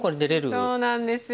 そうなんですよ。